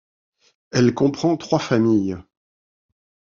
Elle comprend trois familles.